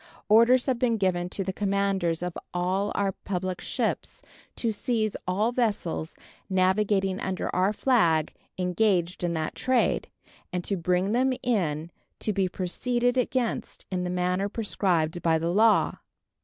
Orders have been given to the commanders of all our public ships to seize all vessels navigated under our flag engaged in that trade, and to bring them in to be proceeded against in the manner prescribed by the law.